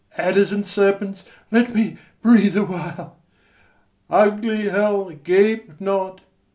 Adders and serpents, let me breathe a while! Ugly hell, gape not!